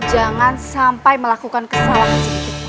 jangan sampai melakukan kesalahan